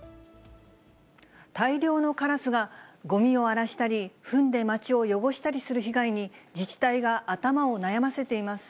大量のカラスがごみを荒らしたり、ふんで街を汚したりする被害に、自治体が頭を悩ませています。